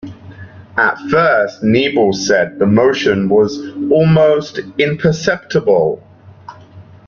At first Nebel said the motion was almost imperceptible.